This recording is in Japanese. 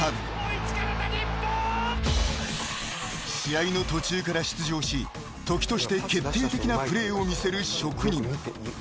［試合の途中から出場し時として決定的なプレーを見せる職人］